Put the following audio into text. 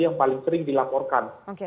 yang paling sering dilaporkan